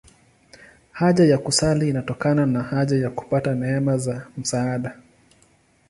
Haja ya kusali inatokana na haja ya kupata neema za msaada.